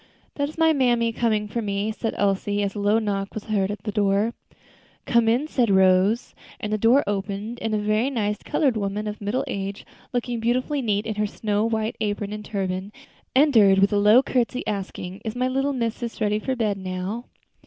"That is mammy coming for me," said Elsie, as a low knock was heard at the door. "Come in," said Rose, and the door opened, and a very nice colored woman of middle age, looking beautifully neat in her snow white apron and turban, entered with a low courtesy, asking, "Is my little missus ready for bed now?"